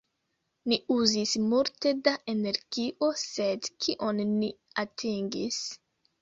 Ni uzis multe da energio, sed kion ni atingis?